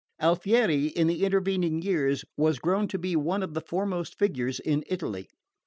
Alfieri, in the intervening years, was grown to be one of the foremost figures in Italy.